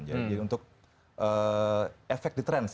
jadi untuk efek di trans